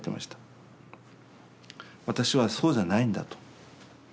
私はそうじゃないんだと。